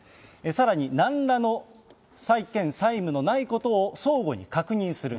さらに、なんらの債権債務のないことを相互に確認する。